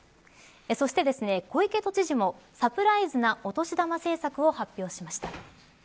そして小池都知事もサプライズなお年玉政策を発表しました。